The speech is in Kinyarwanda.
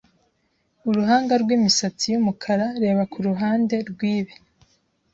Uruhanga rwimisatsi yumukara reba kuruhande rwibi